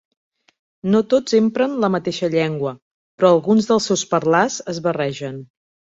No tots empren la mateixa llengua, però alguns dels seus parlars es barregen.